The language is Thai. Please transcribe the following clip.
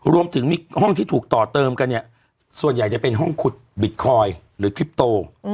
รวมถึงมีห้องที่ถูกต่อเติมกันเนี่ยส่วนใหญ่จะเป็นห้องขุดบิตคอยน์หรือคลิปโต